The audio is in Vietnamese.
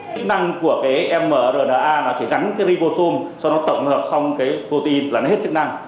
chức năng của mrna chỉ gắn ribosome tổng hợp xong protein là hết chức năng